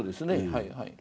はいはい。